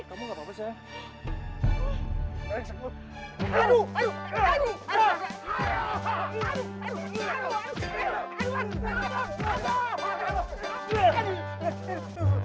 aduh aduh aduh aduh